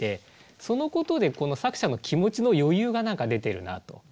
そのことでこの作者の気持ちの余裕が何か出てるなと。